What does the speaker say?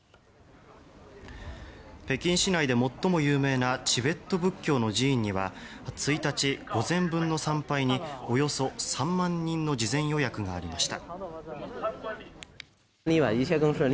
北京市内で最も有名なチベット仏教の寺院には１日午前分の参拝におよそ３万人の事前予約がありました。